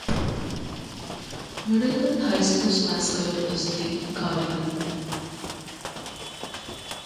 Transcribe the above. Middleton High School's mascot is the cardinal.